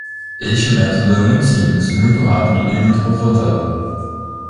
Este método é muito simples, muito rápido e muito confortável.